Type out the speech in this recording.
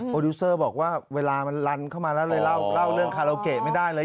ดิวเซอร์บอกว่าเวลามันลันเข้ามาแล้วเลยเล่าเรื่องคาราโอเกะไม่ได้เลย